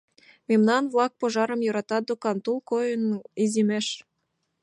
— Мемнан-влак пожарым йӧртат, докан: тул койын иземеш.